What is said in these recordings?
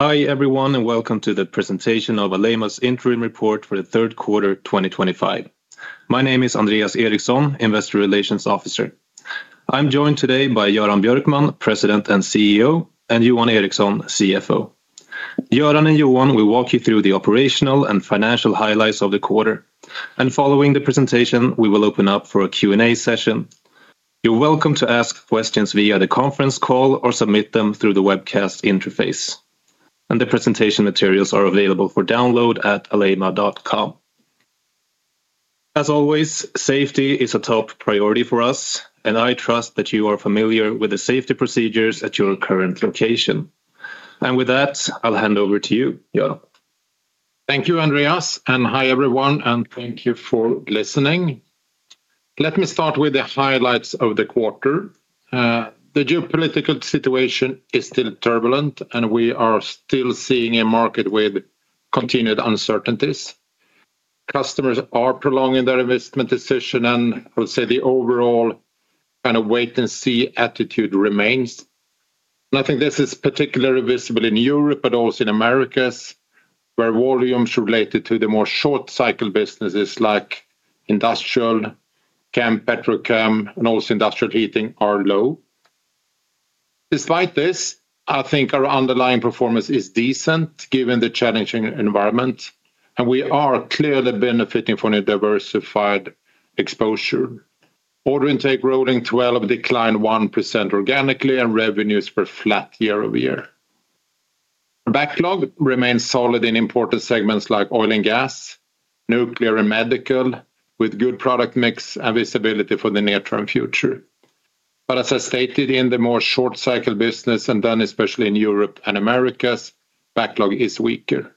Hi everyone, and welcome to the presentation of Alleima's interim report for the third quarter 2025. My name is Andreas Eriksson, Investor Relations Officer. I'm joined today by Göran Björkman, President and CEO, and Johan Eriksson, CFO. Göran and Johan will walk you through the operational and financial highlights of the quarter, and following the presentation, we will open up for a Q&A session. You're welcome to ask questions via the conference call or submit them through the webcast interface, and the presentation materials are available for download at alleima.com. As always, safety is a top priority for us. I trust that you are familiar with the safety procedures at your current location. With that, I'll hand over to you, Göran. Thank you, Andreas, and hi everyone, and thank you for listening. Let me start with the highlights of the quarter. The geopolitical situation is still turbulent, and we are still seeing a market with continued uncertainties. Customers are prolonging their investment decisions. I would say the overall kind of wait-and-see attitude remains. I think this is particularly visible in Europe, but also in the Americas, where volumes related to the more short-cycle businesses like industrial, chem/petrochem, and also industrial heating are low. Despite this, I think our underlying performance is decent given the challenging environment, and we are clearly benefiting from a diversified exposure. Order intake rolling 12, decline 1% organically, and revenues were flat year-over-year. Our backlog remains solid in important segments like oil and gas, nuclear, and medical, with good product mix and visibility for the near-term future. As I stated, in the more short-cycle business, and then especially in Europe and the Americas, backlog is weaker.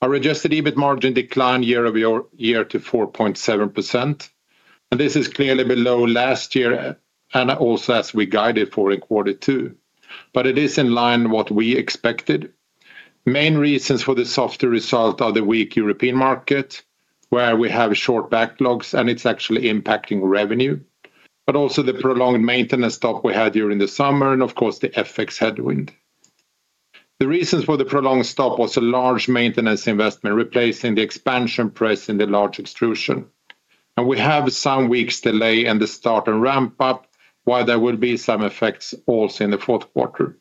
Our adjusted EBIT margin declined year-over-year to 4.7%, and this is clearly below last year and also as we guided for in quarter two. It is in line with what we expected. The main reasons for the softer result are the weak European market, where we have short backlogs, and it's actually impacting revenue, but also the prolonged maintenance shutdown we had during the summer, and of course the FX headwinds. The reasons for the prolonged shutdown were a large maintenance investment replacing the expansion press in the large extrusion, and we have some weeks' delay in the start and ramp-up, while there will be some effects also in the fourth quarter.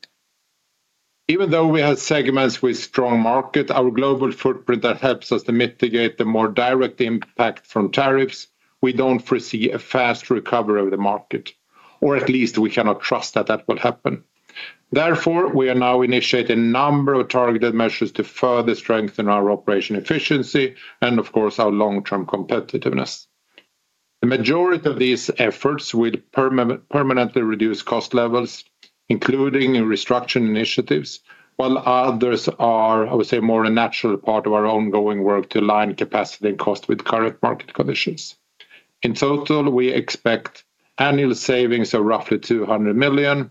Even though we have segments with a strong market, our global footprint helps us to mitigate the more direct impact from tariffs. We don't foresee a fast recovery of the market, or at least we cannot trust that that will happen. Therefore, we are now initiating a number of targeted measures to further strengthen our operational efficiency and, of course, our long-term competitiveness. The majority of these efforts will permanently reduce cost levels, including in restructuring initiatives, while others are, I would say, more a natural part of our ongoing work to align capacity and cost with current market conditions. In total, we expect annual savings of roughly 200 million,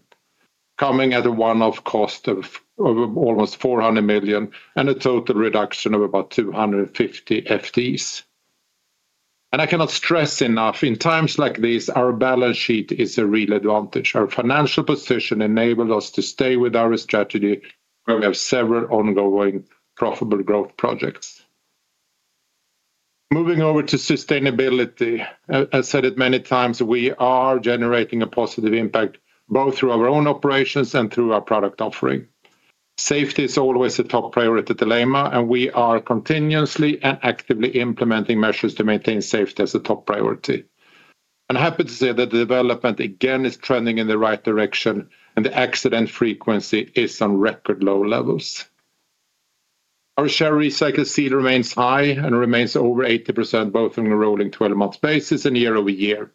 coming at a one-off cost of almost 400 million, and a total reduction of about 250 FTEs. I cannot stress enough, in times like these, our balance sheet is a real advantage. Our financial position enables us to stay with our strategy, where we have several ongoing profitable growth projects. Moving over to sustainability, I've said it many times, we are generating a positive impact both through our own operations and through our product offering. Safety is always a top-priority dilemma, and we are continuously and actively implementing measures to maintain safety as a top priority. I'm happy to say that the development again is trending in the right direction, and the accident frequency is on record low levels. Our share recycled steel remains high and remains over 80% both on a rolling 12-month basis and year-over-year,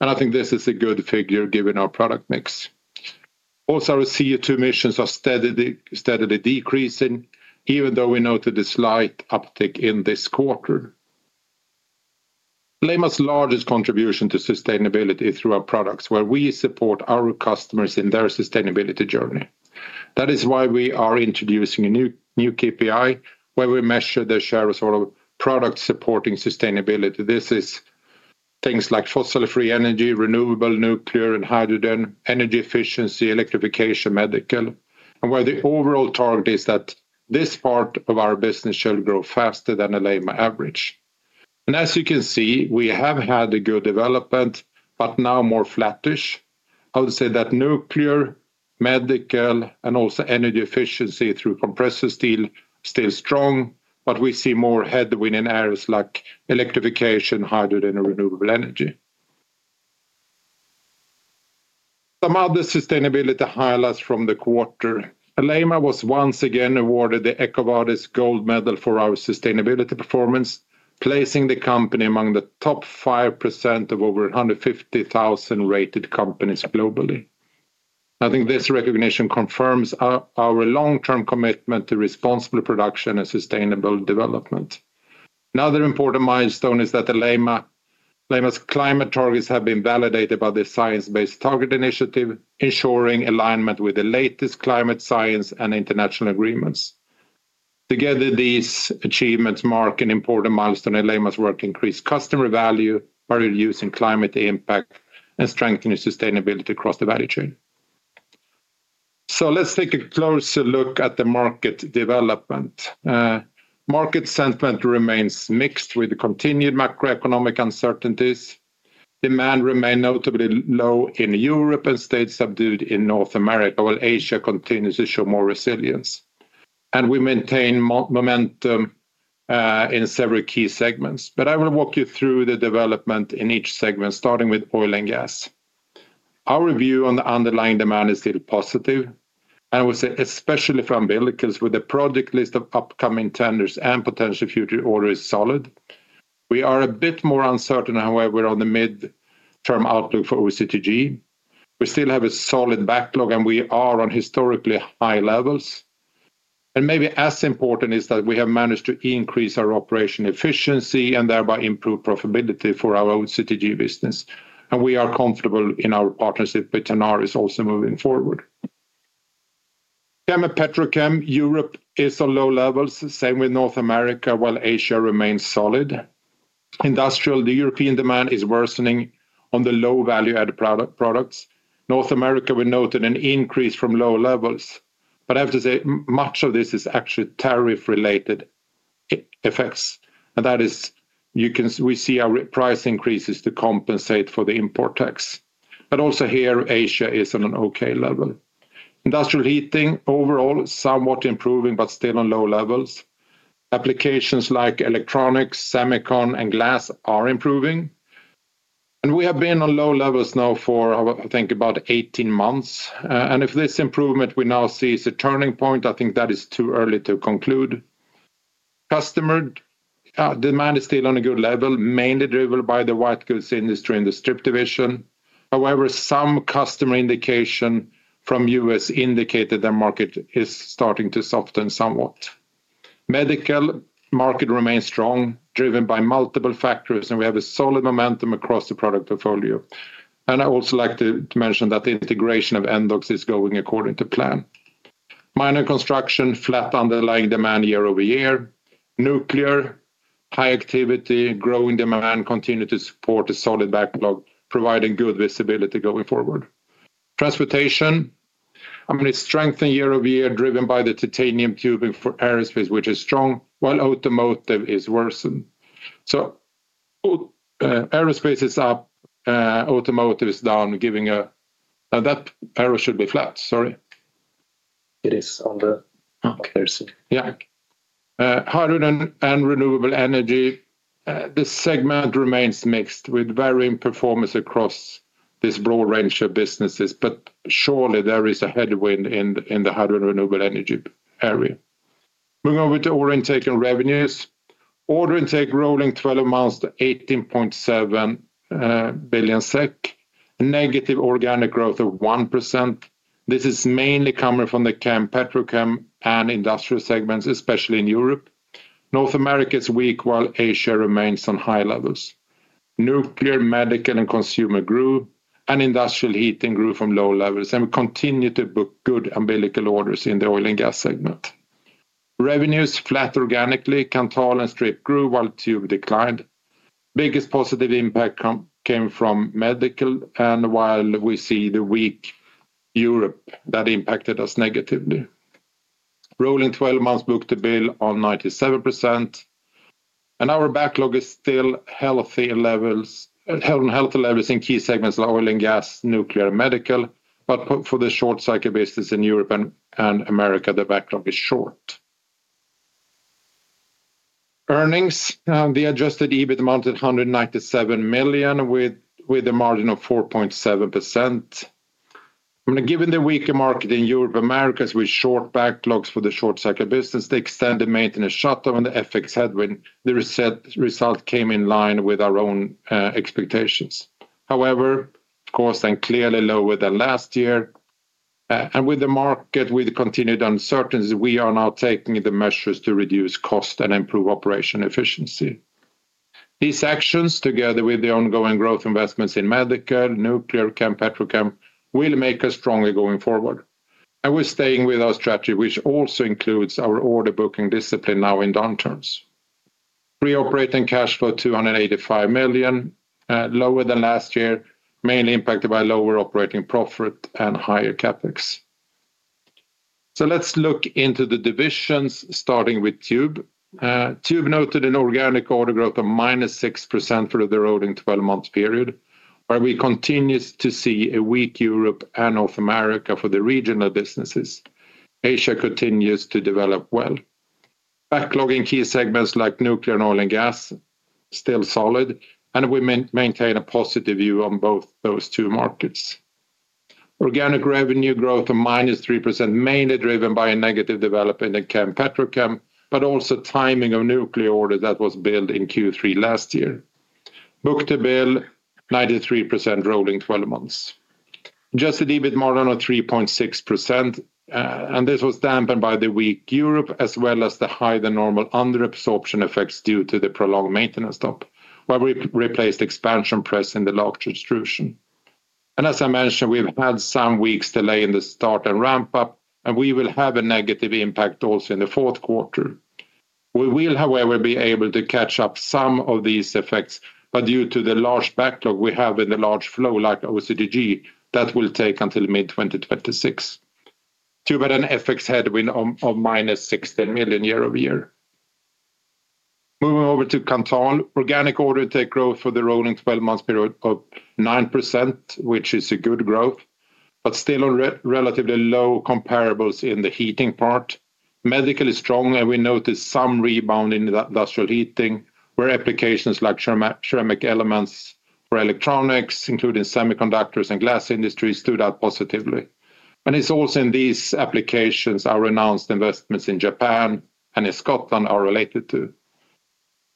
and I think this is a good figure given our product mix. Also, our CO2 emissions are steadily decreasing, even though we noted a slight uptick in this quarter. Alleima's largest contribution to sustainability is through our products, where we support our customers in their sustainability journey. That is why we are introducing a new KPI, where we measure the share of products supporting sustainability. This is things like fossil-free energy, renewable nuclear and hydrogen, energy efficiency, electrification, medical, and where the overall target is that this part of our business shall grow faster than Alleima average. As you can see, we have had a good development, but now more flattish. I would say that nuclear, medical, and also energy efficiency through compressed steel are still strong, but we see more headwind in areas like electrification, hydrogen, and renewable energy. Some other sustainability highlights from the quarter. Alleima was once again awarded the EcoVadis Gold Medal for our sustainability performance, placing the company among the top 5% of over 150,000 rated companies globally. I think this recognition confirms our long-term commitment to responsible production and sustainable development. Another important milestone is that Alleima's climate targets have been validated by the Science Based Targets initiative, ensuring alignment with the latest climate science and international agreements. Together, these achievements mark an important milestone in Alleima's work to increase customer value by reducing climate impact and strengthening sustainability across the value chain. Let's take a closer look at the market development. Market sentiment remains mixed with continued macroeconomic uncertainties. Demand remains notably low in Europe and stays subdued in North America, while Asia continues to show more resilience. We maintain momentum in several key segments, but I will walk you through the development in each segment, starting with oil and gas. Our view on the underlying demand is still positive, and I would say especially for umbilicals, with the project list of upcoming tenders and potential future orders solid. We are a bit more uncertain in how we're on the mid-term outlook for OCTG. We still have a solid backlog, and we are on historically high levels. Maybe as important is that we have managed to increase our operational efficiency and thereby improve profitability for our OCTG business. We are comfortable in our partnership with Tenaris also moving forward. Chem/petrochem, Europe is on low levels, same with North America, while Asia remains solid. Industrial, the European demand is worsening on the low value-added products. North America, we noted an increase from low levels, but I have to say much of this is actually tariff-related effects. We see our price increases to compensate for the import tax. Also here, Asia is on an okay level. Industrial heating, overall, somewhat improving, but still on low levels. Applications like electronics, semicon, and glass are improving. We have been on low levels now for, I think, about 18 months. If this improvement we now see is a turning point, I think that is too early to conclude. Customer demand is still on a good level, mainly driven by the white goods industry in the Strip division. However, some customer indication from the U.S. indicated that the market is starting to soften somewhat. Medical market remains strong, driven by multiple factors, and we have a solid momentum across the product portfolio. I also like to mention that the integration of MDOX is going according to plan. Mining construction, flat underlying demand year-over-year. Nuclear, high activity, growing demand, continue to support a solid backlog, providing good visibility going forward. Transportation, I mean, it's strengthened year-over-year, driven by the titanium tubing for aerospace, which is strong, while automotive is worsened. Aerospace is up, automotive is down, giving a, and that arrow should be flat, sorry. It is on the, okay, I see. Yeah. Hydrogen and renewable energy, this segment remains mixed with varying performance across this broad range of businesses, but surely there is a headwind in the hydrogen and renewable energy area. Moving over to order intake and revenues, order intake rolling 12 months to 18.7 billion SEK, negative organic growth of 1%. This is mainly coming from the chem/petrochem and industrial segments, especially in Europe. North America is weak, while Asia remains on high levels. Nuclear, medical, and consumer grew, and industrial heating grew from low levels, and we continue to book good umbilical orders in the oil and gas segment. Revenues flat organically, Kanthal and Strip grew, while Tube declined. Biggest positive impact came from medical, and while we see the weak Europe, that impacted us negatively. Rolling 12 months book-to-bill on 97%, and our backlog is still healthy levels in key segments like oil and gas, nuclear, and medical, but for the short-cycle business in Europe and America, the backlog is short. Earnings, the adjusted EBIT amounted to 197 million with a margin of 4.7%. I mean, given the weaker market in Europe and Americas with short backlogs for the short-cycle business, the extended maintenance shutdown and the FX headwind, the result came in line with our own expectations. However, costs are clearly lower than last year, and with the market with continued uncertainty, we are now taking the measures to reduce cost and improve operational efficiency. These actions, together with the ongoing growth investments in medical, nuclear, chem/petrochem, will make us stronger going forward. We're staying with our strategy, which also includes our order booking discipline now in downturns. Free operating cash flow 285 million, lower than last year, mainly impacted by lower operating profit and higher CapEx. Let's look into the divisions, starting with Tube. Tube noted an organic order growth of -6% for the rolling 12-month period, where we continue to see a weak Europe and North America for the regional businesses. Asia continues to develop well. Backlog in key segments like nuclear and oil and gas is still solid, and we maintain a positive view on both those two markets. Organic revenue growth of -3%, mainly driven by a negative development in chem/petrochem, but also timing of nuclear order that was billed in Q3 last year. Book-to-bill, 93% rolling 12 months. Adjusted EBIT margin of 3.6%, and this was dampened by the weak Europe as well as the higher than normal under-absorption effects due to the prolonged maintenance shutdown, where we replaced expansion press in the large extrusion. As I mentioned, we've had some weeks' delay in the start and ramp-up, and we will have a negative impact also in the fourth quarter. We will, however, be able to catch up some of these effects, but due to the large backlog we have in the large flow like OCTG, that will take until mid-2026. Tube had an FX headwind of -16 million year-over-year. Moving over to Kanthal, organic order intake growth for the rolling 12-month period of 9%, which is a good growth, but still on relatively low comparables in the heating part. Medical is strong, and we noticed some rebound in industrial heating, where applications like ceramic elements for electronics, including semiconductors and glass industry, stood out positively. It is also in these applications our announced investments in Japan and in Scotland are related to.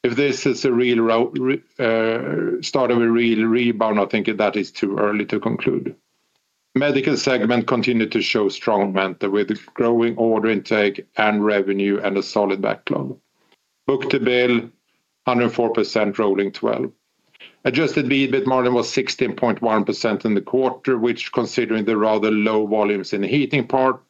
If this is a real start of a real rebound, I think that is too early to conclude. Medical segment continued to show strong momentum with growing order intake and revenue and a solid backlog. book-to-bill, 104% rolling 12. Adjusted EBIT margin was 16.1% in the quarter, which, considering the rather low volumes in the heating part,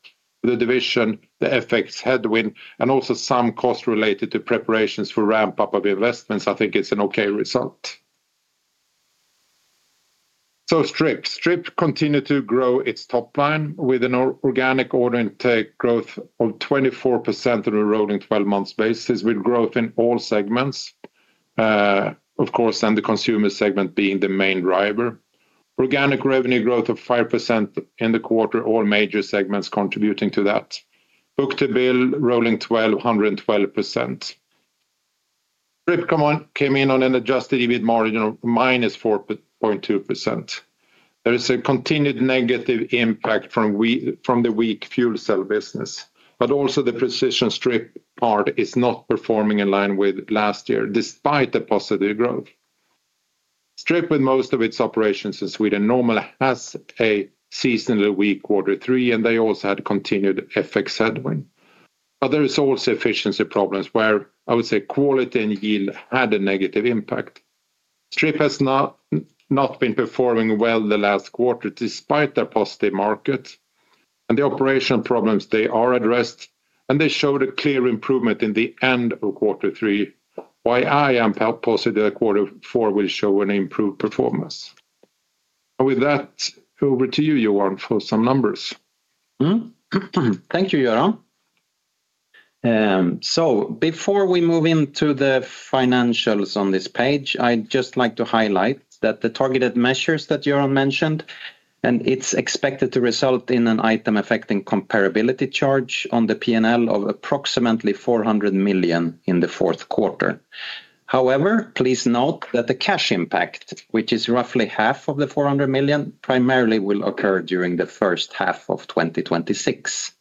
the division, the FX headwind, and also some costs related to preparations for ramp-up of investments, I think it's an okay result. Strip continued to grow its top line with an organic order intake growth of 24% on a rolling 12-month basis, with growth in all segments, of course, and the consumer segment being the main driver. Organic revenue growth of 5% in the quarter, all major segments contributing to that. book-to-bill rolling 12, 112%. Strip came in on an adjusted EBIT margin of -4.2%. There is a continued negative impact from the weak fuel cell business, but also the precision Strip part is not performing in line with last year, despite the positive growth. Strip, with most of its operations in Sweden, normally has a seasonally weak quarter three, and they also had continued FX headwind. There are also efficiency problems where I would say quality and yield had a negative impact. Strip has not been performing well the last quarter, despite their positive markets, and the operational problems they addressed, and they showed a clear improvement in the end of quarter three. I am positive that quarter four will show an improved performance. With that, over to you, Johan, for some numbers. Thank you, Göran. Before we move into the financials on this page, I'd just like to highlight that the targeted measures that Göran mentioned are expected to result in an item affecting comparability charge on the P&L of approximately 400 million in the fourth quarter. However, please note that the cash impact, which is roughly half of the 400 million, primarily will occur during the first half of 2026.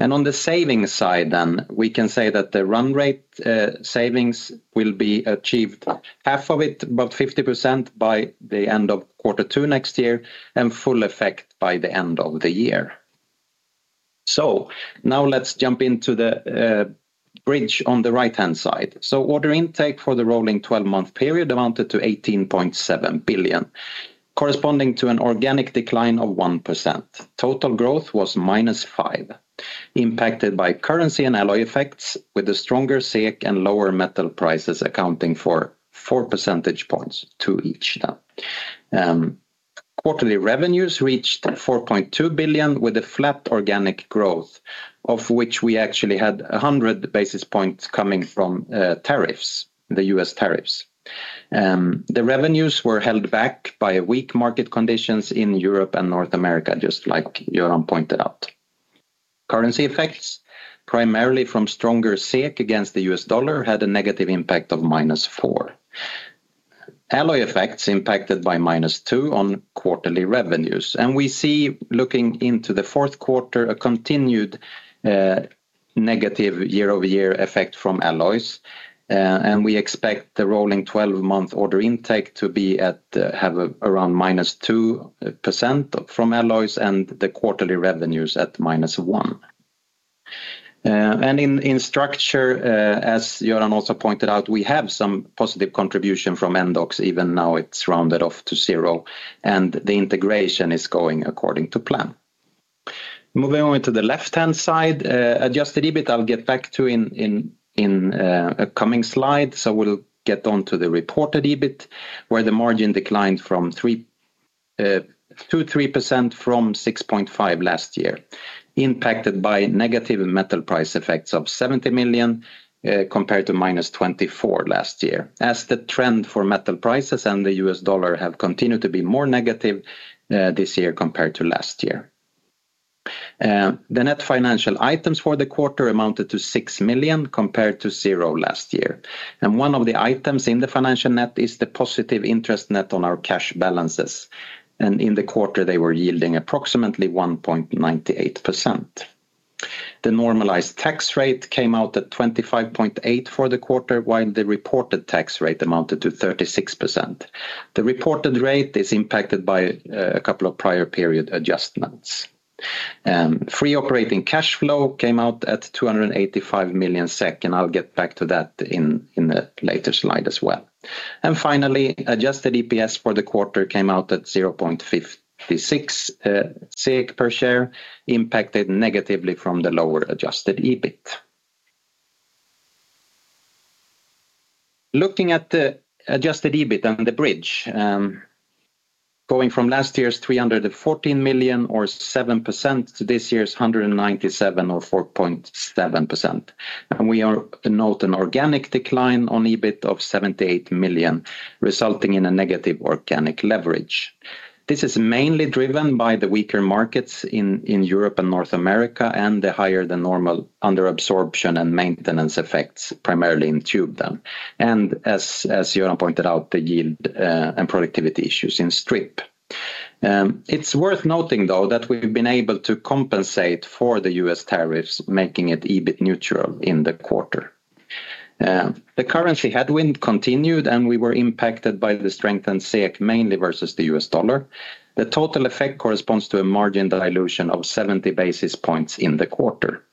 On the savings side, we can say that the run rate savings will be achieved, half of it, about 50% by the end of quarter two next year, and full effect by the end of the year. Let's jump into the bridge on the right-hand side. Order intake for the rolling 12-month period amounted to 18.7 billion, corresponding to an organic decline of 1%. Total growth was -5%, impacted by currency and alloy effects, with a stronger SEK and lower metal prices accounting for four percentage points each. Quarterly revenues reached 4.2 billion with a flat organic growth, of which we actually had 100 basis points coming from tariffs, the U.S. tariffs. The revenues were held back by weak market conditions in Europe and North America, just like Göran pointed out. Currency effects, primarily from stronger SEK against the U.S. dollar, had a negative impact of -4%. Alloy effects impacted by -2% on quarterly revenues, and we see, looking into the fourth quarter, a continued negative year-over-year effect from alloys. We expect the rolling 12-month order intake to be at around -2% from alloys, and the quarterly revenues at -1%. In structure, as Göran also pointed out, we have some positive contribution from MDOX, even now it's rounded off to zero, and the integration is going according to plan. Moving over to the left-hand side, adjusted EBIT I'll get back to in a coming slide, so we'll get onto the reported EBIT, where the margin declined to 3% from 6.5% last year, impacted by negative metal price effects of 70 million compared to SEK- 24 million last year, as the trend for metal prices and the U.S. dollar have continued to be more negative this year compared to last year. The net financial items for the quarter amounted to 6 million compared to zero last year, and one of the items in the financial net is the positive interest net on our cash balances, and in the quarter, they were yielding approximately 1.98%. The normalized tax rate came out at 25.8% for the quarter, while the reported tax rate amounted to 36%. The reported rate is impacted by a couple of prior period adjustments. Free operating cash flow came out at 285 million SEK, and I'll get back to that in a later slide as well. Finally, adjusted EPS for the quarter came out at 0.56 per share, impacted negatively from the lower adjusted EBIT. Looking at the adjusted EBIT and the bridge, going from last year's 314 million or 7% to this year's 197 million or 4.7%, we note an organic decline on EBIT of 78 million, resulting in a negative organic leverage. This is mainly driven by the weaker markets in Europe and North America, and the higher than normal under-absorption and maintenance effects, primarily in Tube, and as Göran pointed out, the yield and productivity issues in Strip. It's worth noting, though, that we've been able to compensate for the U.S. tariffs, making it EBIT neutral in the quarter. The currency headwind continued, and we were impacted by the strengthened SEK, mainly versus the U.S. dollar. The total effect corresponds to a margin dilution of 70 basis points in the quarter.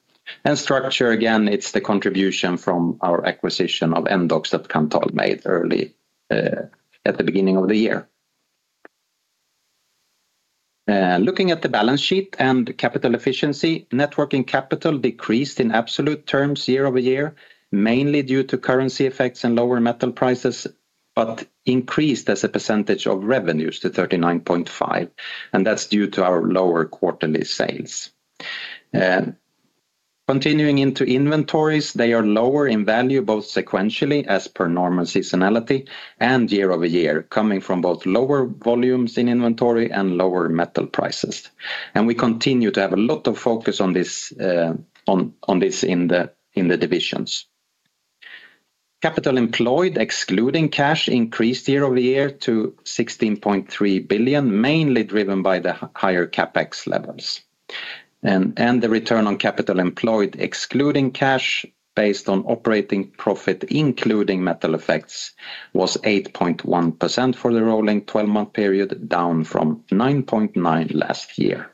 Structure, again, is the contribution from our acquisition of MDOX that Kanthal made early at the beginning of the year. Looking at the balance sheet and capital efficiency, net working capital decreased in absolute terms year-over-year, mainly due to currency effects and lower metal prices, but increased as a percentage of revenues to 39.5%, and that's due to our lower quarterly sales. Continuing into inventories, they are lower in value both sequentially, as per normal seasonality, and year-over-year, coming from both lower volumes in inventory and lower metal prices. We continue to have a lot of focus on this in the divisions. Capital employed, excluding cash, increased year-over-year to 16.3 billion, mainly driven by the higher CapEx levels. The return on capital employed, excluding cash, based on operating profit, including metal effects, was 8.1% for the rolling 12-month period, down from 9.9% last year.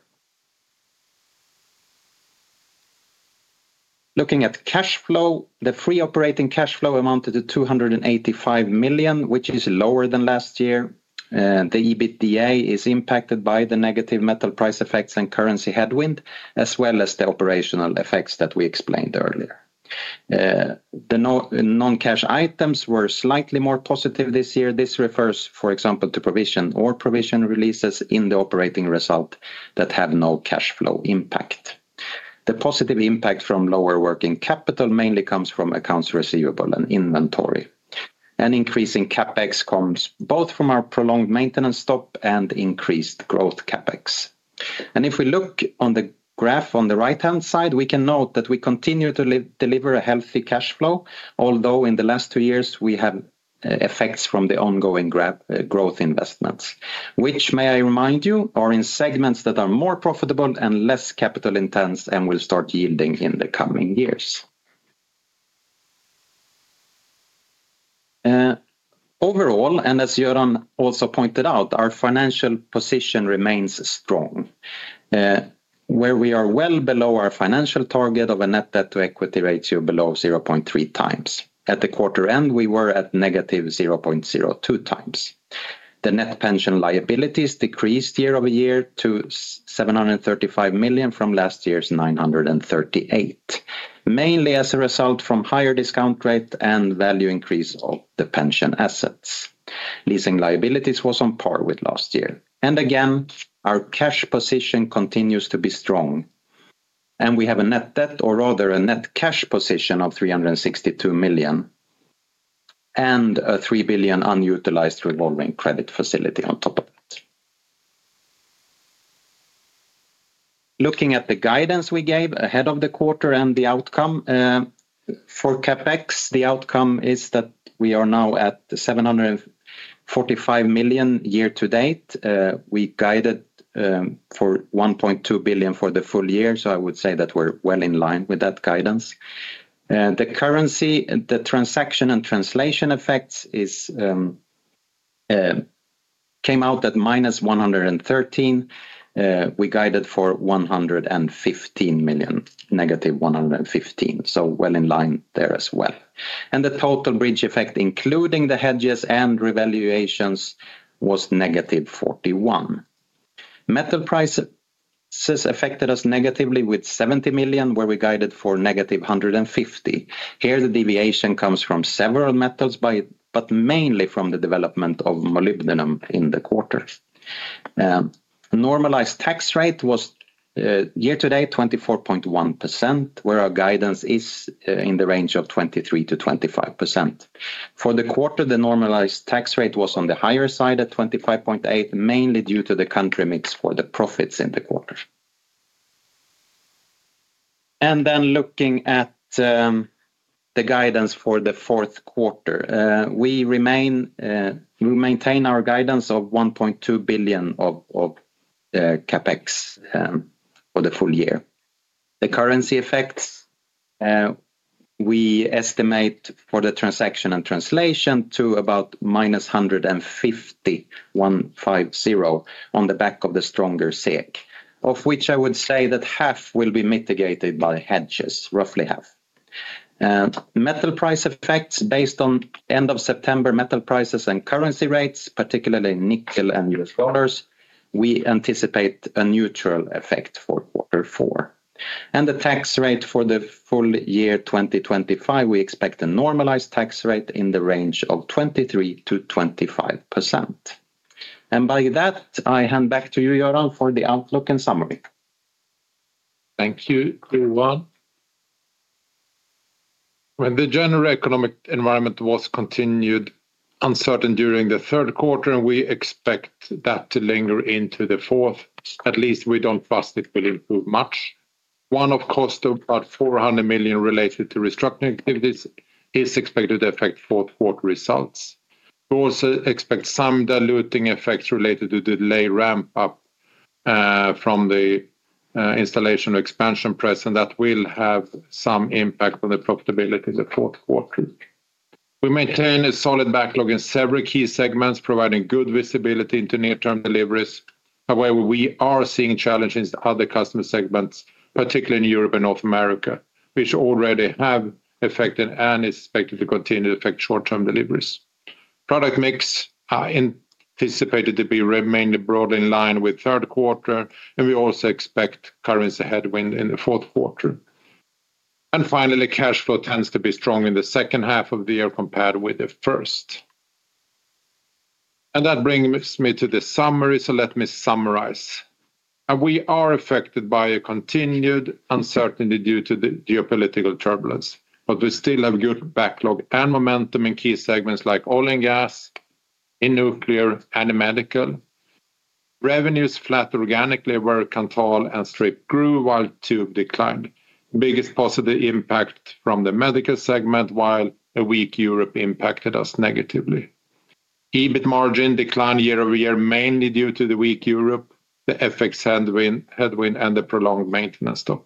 Looking at cash flow, the free operating cash flow amounted to 285 million, which is lower than last year. The EBITDA is impacted by the negative metal price effects and currency headwind, as well as the operational effects that we explained earlier. The non-cash items were slightly more positive this year. This refers, for example, to provision or provision releases in the operating result that had no cash flow impact. The positive impact from lower working capital mainly comes from accounts receivable and inventory. An increase in CapEx comes both from our prolonged maintenance stop and increased growth CapEx. If we look on the graph on the right-hand side, we can note that we continue to deliver a healthy cash flow, although in the last two years, we had effects from the ongoing growth investments, which, may I remind you, are in segments that are more profitable and less capital intense and will start yielding in the coming years. Overall, and as Göran also pointed out, our financial position remains strong, where we are well below our financial target of a net debt-to-equity ratio below 0.3 times. At the quarter end, we were at -0.02 times. The net pension liabilities decreased year-over-year to 735 million from last year's 938, mainly as a result from higher discount rate and value increase of the pension assets. Leasing liabilities were on par with last year. Again, our cash position continues to be strong, and we have a net debt, or rather a net cash position of 362 million and a 3 billion unutilized revolving credit facility on top of that. Looking at the guidance we gave ahead of the quarter and the outcome for CapEx, the outcome is that we are now at 745 million year to date. We guided for 1.2 billion for the full year, so I would say that we're well in line with that guidance. The currency, the transaction and translation effects came out at -113. We guided for 115 million, -115, so well in line there as well. The total bridge effect, including the hedges and revaluations, was -41. Metal prices affected us negatively with 70 million, where we guided for -150. Here, the deviation comes from several methods, but mainly from the development of molybdenum in the quarter. Normalized tax rate was year to date 24.1%, where our guidance is in the range of 23%-25%. For the quarter, the normalized tax rate was on the higher side at 25.8%, mainly due to the country mix for the profits in the quarter. Looking at the guidance for the fourth quarter, we maintain our guidance of 1.2 billion of CapEx for the full year. The currency effects, we estimate for the transaction and translation to about -150, 150 on the back of the stronger SEK, of which I would say that half will be mitigated by hedges, roughly half. Metal price effects based on end of September metal prices and currency rates, particularly nickel and U.S. dollars, we anticipate a neutral effect for quarter four. The tax rate for the full year 2025, we expect a normalized tax rate in the range of 23%-25%. By that, I hand back to you, Göran, for the outlook and summary. Thank you, Johan. When the general economic environment was continued uncertain during the third quarter, and we expect that to linger into the fourth, at least we don't trust it will improve much. One-off cost of about 400 million related to restructuring activities is expected to affect fourth quarter results. We also expect some diluting effects related to the delayed ramp-up from the installation of expansion press, and that will have some impact on the profitability of the fourth quarter. We maintain a solid backlog in several key segments, providing good visibility into near-term deliveries. However, we are seeing challenges in other customer segments, particularly in Europe and North America, which already have affected and is expected to continue to affect short-term deliveries. Product mix is anticipated to be mainly broadly in line with third quarter, and we also expect currency headwind in the fourth quarter. Cash flow tends to be strong in the second half of the year compared with the first. That brings me to the summary, so let me summarize. We are affected by a continued uncertainty due to the geopolitical turbulence, but we still have good backlog and momentum in key segments like oil and gas, in nuclear, and in medical. Revenues flat organically where Kanthal and Strip grew, while Tube declined. Biggest positive impact from the medical segment, while a weak Europe impacted us negatively. Adjusted EBIT margin declined year-over-year, mainly due to the weak Europe, the FX headwind, and the prolonged maintenance shutdown.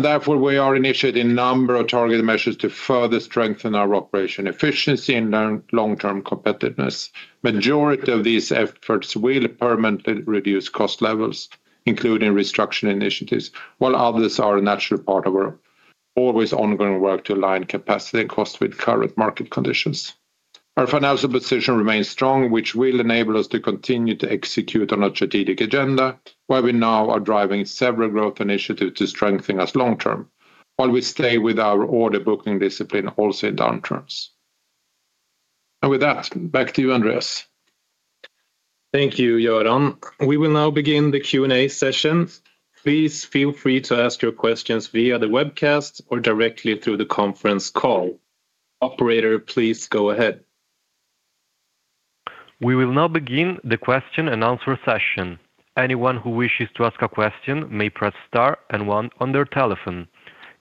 Therefore, we are initiating a number of targeted measures to further strengthen our operational efficiency and long-term competitiveness. The majority of these efforts will permanently reduce cost levels, including restructuring initiatives, while others are a natural part of our always ongoing work to align capacity and cost with current market conditions. Our financial position remains strong, which will enable us to continue to execute on our strategic agenda, where we now are driving several growth initiatives to strengthen us long-term, while we stay with our order booking discipline also in downturns. With that, back to you, Andreas. Thank you, Göran. We will now begin the Q&A session. Please feel free to ask your questions via the webcast or directly through the conference call. Operator, please go ahead. We will now begin the question-and-answer session. Anyone who wishes to ask a question may press star and one on their telephone.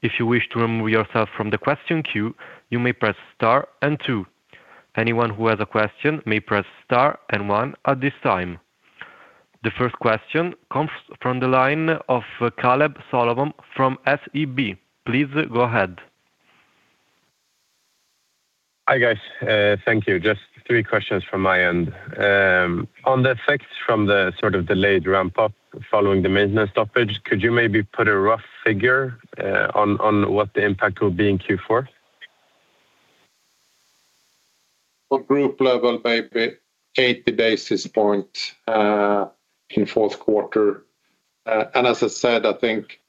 If you wish to remove yourself from the question queue, you may press star and two. Anyone who has a question may press star and one at this time. The first question comes from the line of Kaleb Solomon from SEB. Please go ahead. Hi, guys. Thank you. Just three questions from my end. On the effects from the sort of delayed ramp-up following the maintenance shutdown, could you maybe put a rough figure on what the impact will be in Q4? At group level, maybe 80 basis points in the fourth quarter. As I said, I think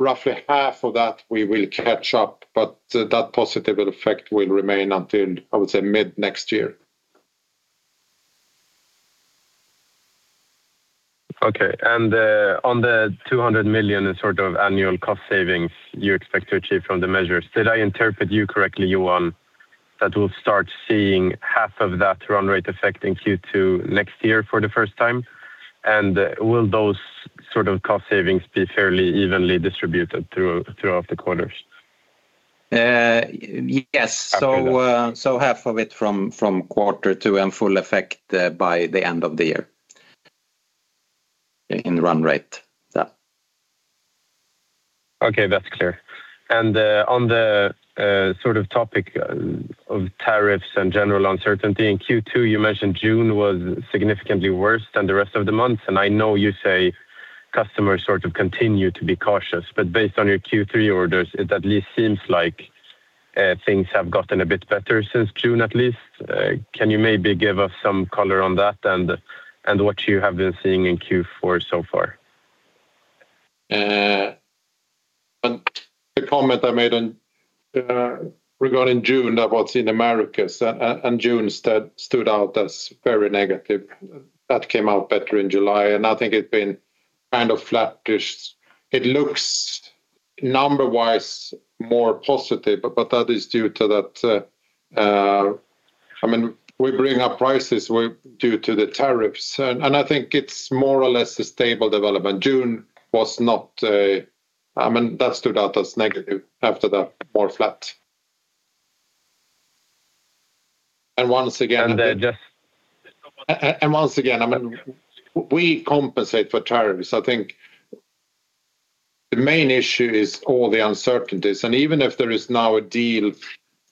roughly half of that we will catch up, but that positive effect will remain until, I would say, mid next year. On the 200 million sort of annual cost savings you expect to achieve from the measures, did I interpret you correctly, Johan, that we'll start seeing half of that run rate effect in Q2 next year for the first time? Will those sort of cost savings be fairly evenly distributed throughout the quarters? Half of it from quarter two and full effect by the end of the year in run rate. Okay, that's clear. On the sort of topic of tariffs and general uncertainty in Q2, you mentioned June was significantly worse than the rest of the months. I know you say customers sort of continue to be cautious, but based on your Q3 orders, it at least seems like things have gotten a bit better since June, at least. Can you maybe give us some color on that and what you have been seeing in Q4 so far? The comment I made regarding June, that was in Americas, and June stood out as very negative. That came out better in July, and I think it's been kind of flattish. It looks number-wise more positive, but that is due to that, I mean, we bring up prices due to the tariffs, and I think it's more or less a stable development. June was not, I mean, that stood out as negative. After that, more flat. Once again, I mean, we compensate for tariffs. I think the main issue is all the uncertainties, and even if there is now a deal in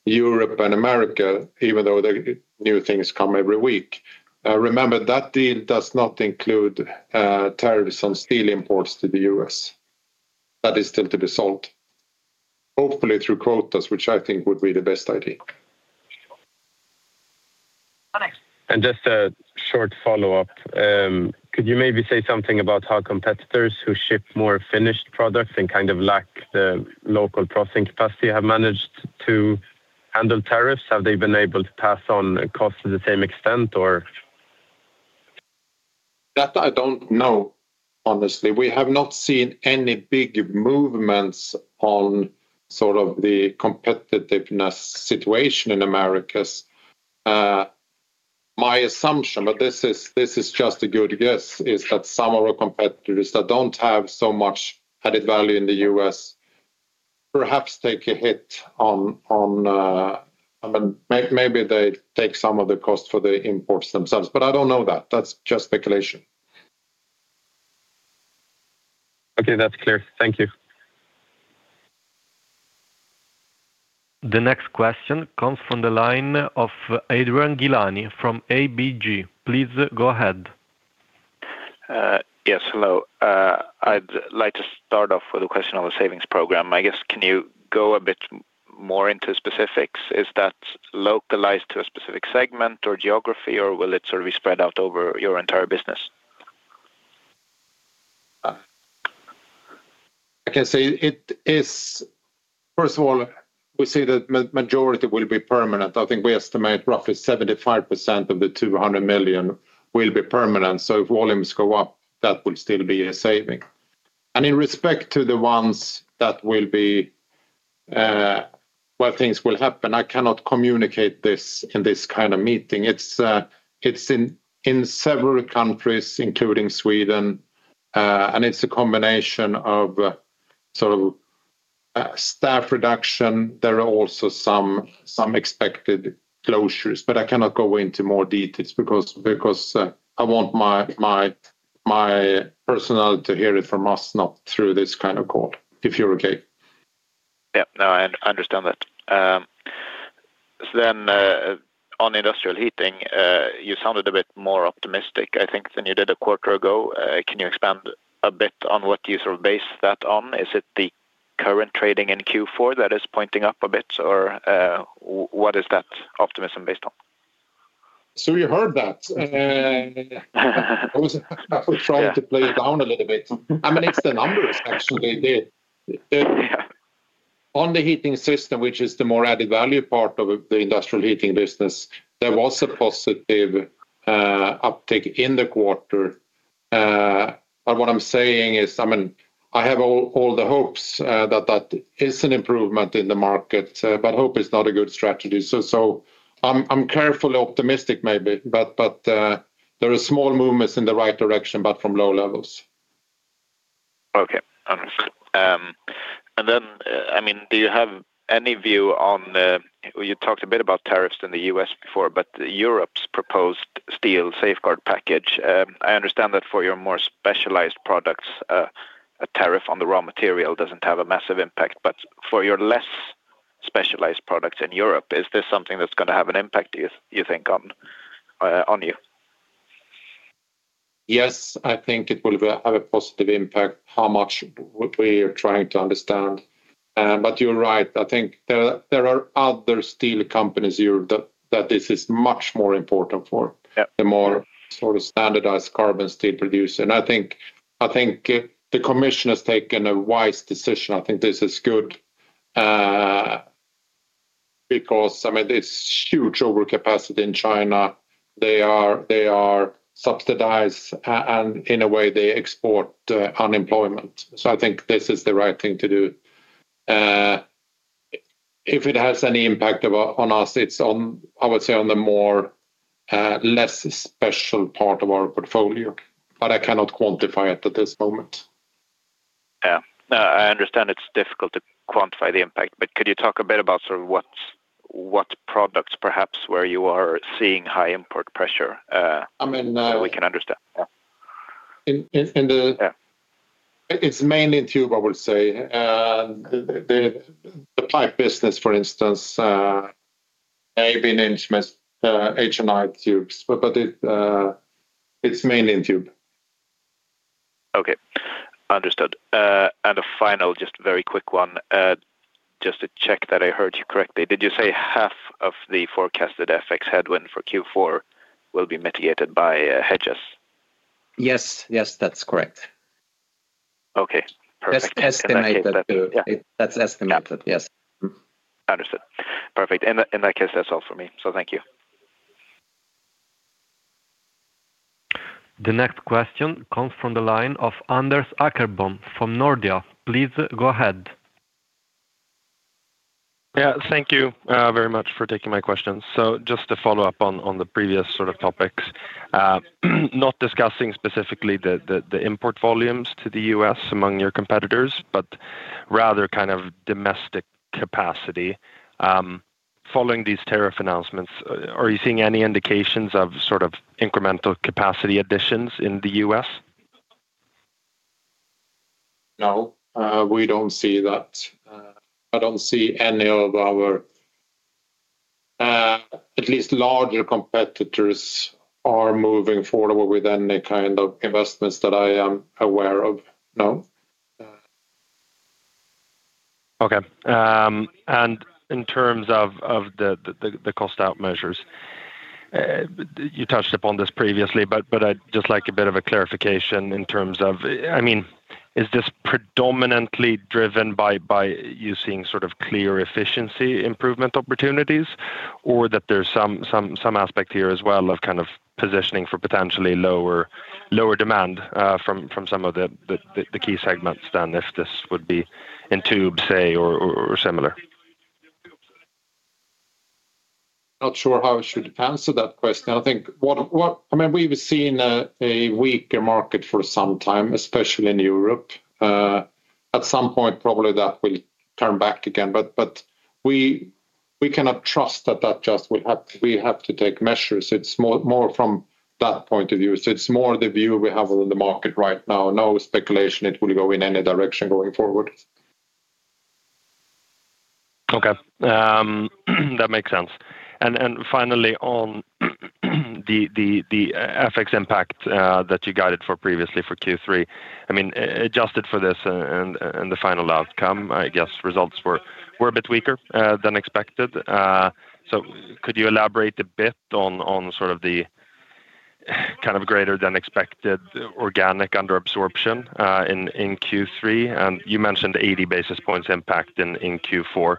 Europe and America, even though the new things come every week, remember that deal does not include tariffs on steel imports to the U.S. That is still to be solved, hopefully through quotas, which I think would be the best idea. Could you maybe say something about how competitors who ship more finished products and kind of lack the local processing capacity have managed to handle tariffs? Have they been able to pass on costs to the same extent, or? I don't know, honestly. We have not seen any big movements on the competitiveness situation in the Americas. My assumption, but this is just a guess, is that some of our competitors that don't have so much added value in the U.S. perhaps take a hit on, I mean, maybe they take some of the costs for the imports themselves, but I don't know that. That's just speculation. Okay, that's clear. Thank you. The next question comes from the line of Adrian Gilani from ABG. Please go ahead. Yes, hello. I'd like to start off with a question on the savings program. Can you go a bit more into specifics? Is that localized to a specific segment or geography, or will it sort of be spread out over your entire business? Okay, first of all, we see that the majority will be permanent. I think we estimate roughly 75% of the 200 million will be permanent, so if volumes go up, that will still be a saving. In respect to the ones that will be, where things will happen, I cannot communicate this in this kind of meeting. It's in several countries, including Sweden, and it's a combination of sort of staff reduction. There are also some expected closures, but I cannot go into more details because I want my personnel to hear it from us, not through this kind of call, if you're okay. I understand that. On industrial heating, you sounded a bit more optimistic, I think, than you did a quarter ago. Can you expand a bit on what you sort of base that on? Is it the current trading in Q4 that is pointing up a bit, or what is that optimism based on? I was trying to play it down a little bit. I mean, it's the numbers, actually. On the heating system, which is the more added value part of the industrial heating business, there was a positive uptake in the quarter. What I'm saying is, I mean, I have all the hopes that that is an improvement in the market, but hope is not a good strategy. I'm carefully optimistic, maybe, but there are small movements in the right direction, but from low levels. Okay, understood. Do you have any view on the, you talked a bit about tariffs in the U.S. before, but Europe's proposed steel safeguard package? I understand that for your more specialized products, a tariff on the raw material doesn't have a massive impact, but for your less specialized products in Europe, is this something that's going to have an impact, you think, on you? Yes, I think it will have a positive impact, how much we are trying to understand. You're right. I think there are other steel companies here that this is much more important for, the more sort of standardized carbon steel producer. I think the commission has taken a wise decision. I think this is good because, I mean, it's huge overcapacity in China. They are subsidized, and in a way, they export unemployment. I think this is the right thing to do. If it has any impact on us, it's on, I would say, on the more less special part of our portfolio, but I cannot quantify it at this moment. Yeah, no, I understand it's difficult to quantify the impact, but could you talk a bit about sort of what products perhaps where you are seeing high import pressure? I mean, it's mainly Tube, I would say. The pipe business, for instance, ABN instruments, H&I Tubes, but it's mainly in Tube. Okay, understood. A final, just very quick one, just to check that I heard you correctly. Did you say half of the forecasted FX headwind for Q4 will be mitigated by hedges? Yes, yes, that's correct. Okay, perfect. That's estimated. Understood. Perfect. In that case, that's all for me. Thank you. The next question comes from the line of Anders Åkerblom from Nordea. Please go ahead. Thank you very much for taking my questions. Just to follow up on the previous sort of topics, not discussing specifically the import volumes to the U.S. among your competitors, but rather kind of domestic capacity. Following these tariff announcements, are you seeing any indications of incremental capacity additions in the U.S.? No, we don't see that. I don't see any of our, at least larger competitors, are moving forward with any kind of investments that I am aware of. No. Okay. In terms of the cost-out measures, you touched upon this previously, but I'd just like a bit of a clarification in terms of, I mean, is this predominantly driven by you seeing sort of clear efficiency improvement opportunities, or that there's some aspect here as well of kind of positioning for potentially lower demand from some of the key segments than if this would be in Tube, say, or similar? I'm not sure how I should answer that question. I think we've seen a weaker market for some time, especially in Europe. At some point, probably that will turn back again, but we cannot trust that that just will happen. We have to take measures. It's more from that point of view. It's more the view we have on the market right now. No speculation it will go in any direction going forward. Okay. That makes sense. Finally, on the FX impact that you guided for previously for Q3, I mean, adjusted for this and the final outcome, I guess results were a bit weaker than expected. Could you elaborate a bit on sort of the kind of greater than expected organic under-absorption in Q3? You mentioned 80 basis points impact in Q4,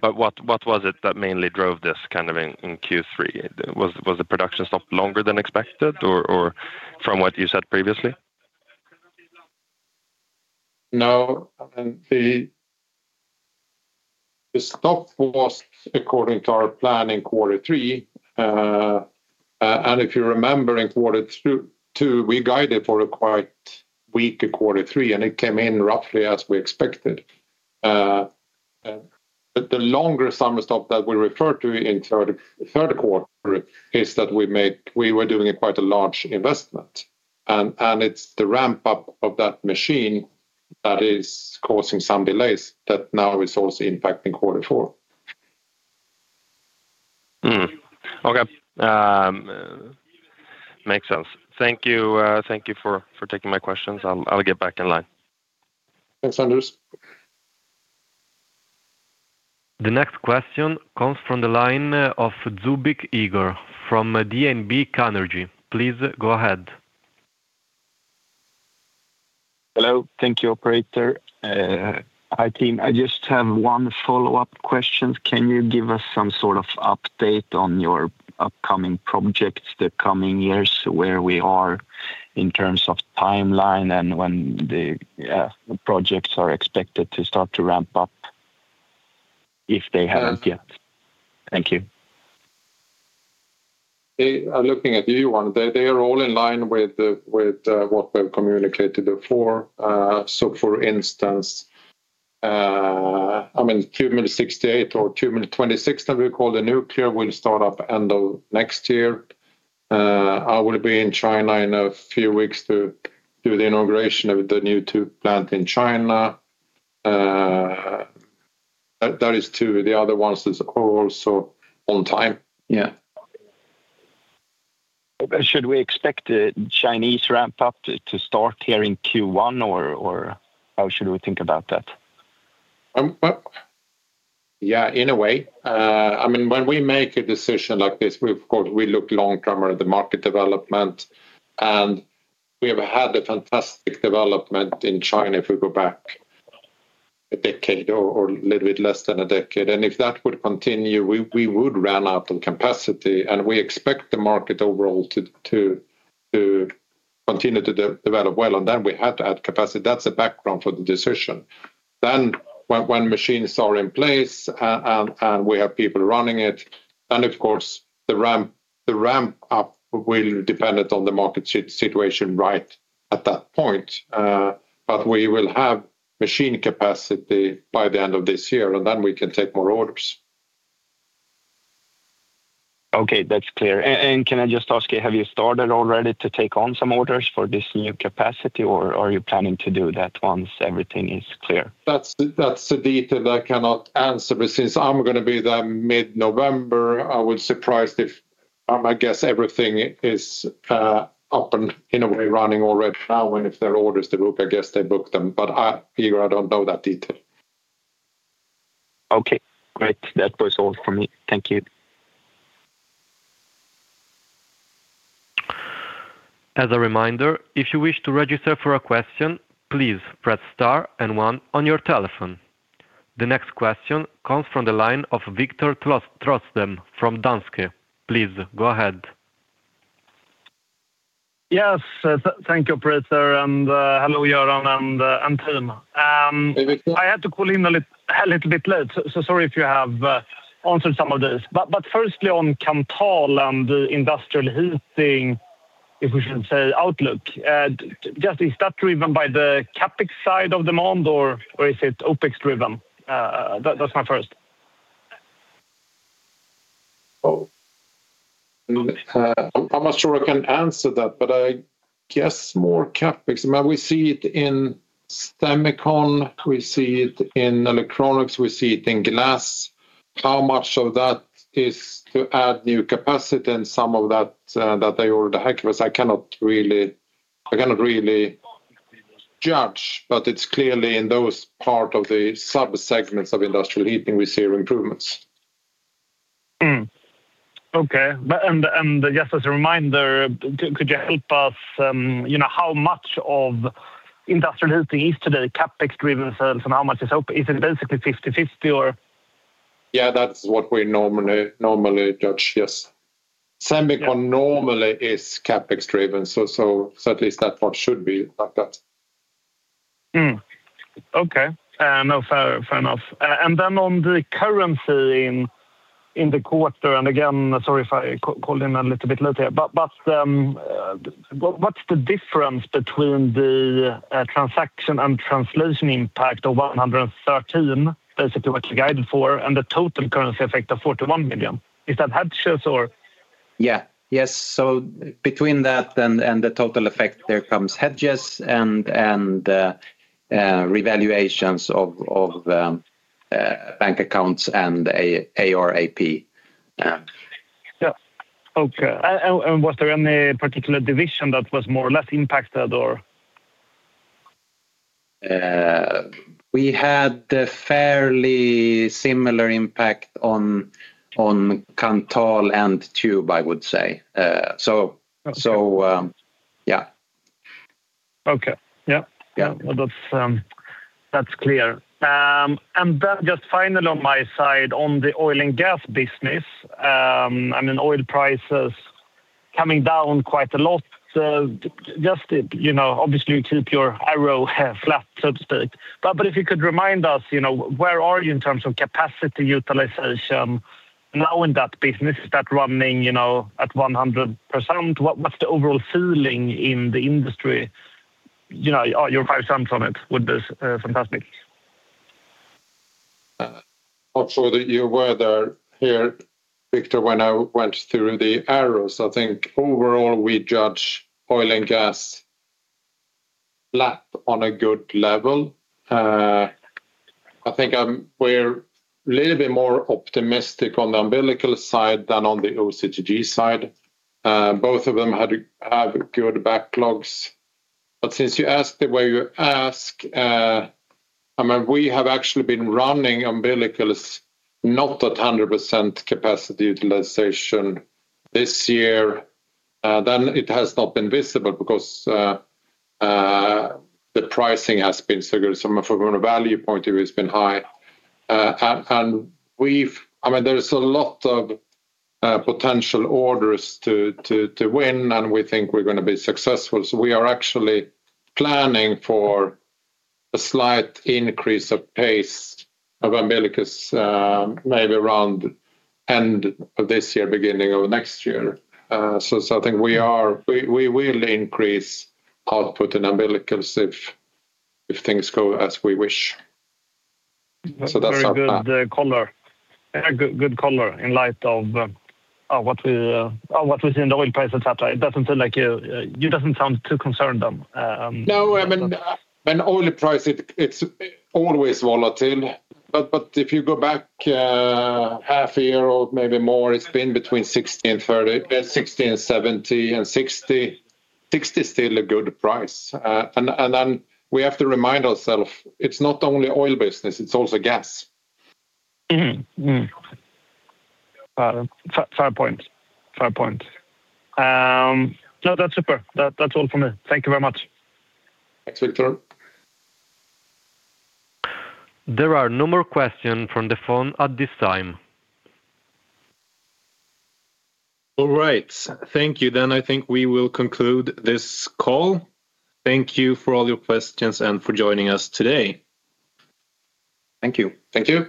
but what was it that mainly drove this in Q3? Was the production stop longer than expected, or from what you said previously? No, I mean, the stop was according to our plan in quarter three. If you remember, in quarter two, we guided for a quite weak quarter three, and it came in roughly as we expected. The longer summer stop that we refer to in third quarter is that we were doing quite a large investment, and it's the ramp-up of that machine that is causing some delays that now is also impacting quarter four. Okay. Makes sense. Thank you. Thank you for taking my questions. I'll get back in line. Thanks, Anders. The next question comes from the line of Igor Tubic from DNB Carnegie. Please go ahead. Hello. Thank you, operator. Hi, team. I just have one follow-up question. Can you give us some sort of update on your upcoming projects the coming years, where we are in terms of timeline, and when the projects are expected to start to ramp up if they haven't yet? Thank you. I'm looking at you, Johan. They are all in line with what we've communicated before. For instance, I mean, Tube 168 or Tube 26, as we call the nuclear, will start up end of next year. I will be in China in a few weeks to do the inauguration of the new Tube plant in China. That is two. The other ones are also on time. Should we expect a Chinese ramp-up to start here in Q1, or how should we think about that? Yeah, in a way. I mean, when we make a decision like this, of course, we look long-term at the market development, and we have had a fantastic development in China if we go back a decade or a little bit less than a decade. If that would continue, we would run out of capacity, and we expect the market overall to continue to develop well. We had to add capacity. That's the background for the decision. When machines are in place and we have people running it, of course the ramp-up will be dependent on the market situation right at that point. We will have machine capacity by the end of this year, and then we can take more orders. Okay, that's clear. Can I just ask you, have you started already to take on some orders for this new capacity, or are you planning to do that once everything is clear? That's the detail I cannot answer, but since I'm going to be there mid-November, I was surprised if, I guess, everything is up and in a way running already now, and if there are orders to book, I guess they book them. Igor, I don't know that detail. Okay, great. That was all for me. Thank you. As a reminder, if you wish to register for a question, please press star and one on your telephone. The next question comes from the line of Viktor Trollsten from Danske. Please go ahead. Yes, thank you, operator, and hello, Göran and team. I had to call in a little bit late, so sorry if you have answered some of these. Firstly, on Kanthal and the industrial heating, if we should say outlook, is that driven by the CapEx side of demand, or is it OpEx driven? That's my first. I'm not sure I can answer that, but I guess more CapEx. I mean, we see it in semicon, we see it in electronics, we see it in glass. How much of that is to add new capacity and some of that that they already have? I cannot really judge, but it's clearly in those parts of the subsegments of industrial heating we see improvements. Okay. As a reminder, could you help us, you know, how much of industrial heating is today CapEx driven sales, and how much is OpEx? Is it basically 50/50, or? Yeah, that's what we normally judge, yes. Semicon normally is CapEx driven, so at least that should be like that. Okay. No, fair enough. On the currency in the quarter, and again, sorry if I called in a little bit later, what's the difference between the transaction and translation impact of 113 million, basically what you guided for, and the total currency effect of 41 million? Is that hedges, or? Yes. Between that and the total effect, there comes hedges and revaluations of bank accounts and AR/AP. Okay. Was there any particular division that was more or less impacted? We had a fairly similar impact on Kanthal and Tube, I would say. Yeah. Okay. Yeah. That's clear. And then just finally on my side, on the oil and gas business, I mean, oil prices coming down quite a lot. Just, you know, obviously, you keep your arrow flat, so to speak. If you could remind us, you know, where are you in terms of capacity utilization now in that business? Is that running, you know, at 100%? What's the overall feeling in the industry? You know, your five cents on it would be fantastic. I'm not sure that you're aware here, Viktor, when I went through the arrows. I think overall we judge oil and gas flat on a good level. I think we're a little bit more optimistic on the umbilical side than on the OCTG side. Both of them have good backlogs. Since you asked the way you ask, I mean, we have actually been running umbilicals not at 100% capacity utilization this year. It has not been visible because the pricing has been so good. From a value point of view, it's been high. There's a lot of potential orders to win, and we think we're going to be successful. We are actually planning for a slight increase of pace of umbilicals, maybe around the end of this year, beginning of next year. I think we will increase output in umbilicals if things go as we wish. That's our plan. Good. Good caller in light of what we see in the oil price, etc. It doesn't seem like you doesn't sound too concerned then. No, I mean, oil price, it's always volatile. If you go back half a year or maybe more, it's been between 60 and 70 and 60. 60 is still a good price. We have to remind ourselves, it's not only oil business, it's also gas. Fair point. Fair point. No, that's super. That's all for me. Thank you very much. Thanks, Viktor. There are no more questions from the phone at this time. All right. Thank you. I think we will conclude this call. Thank you for all your questions and for joining us today. Thank you. Thank you.